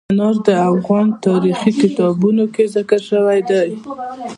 انار د افغان تاریخ په کتابونو کې ذکر شوی دي.